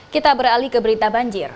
kita beralih ke berita banjir